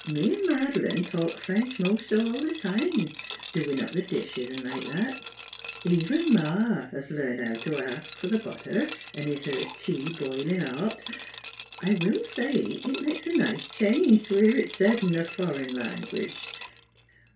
Me & Madeleine talk French most all the time, doing up dishes & like that. Even Ma has learned how to ask for the butter, and is her tea biling hot. I will say it makes a nice change to hear it said in a furren language.